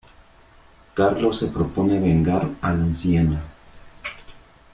Carlos se propone vengar al anciano.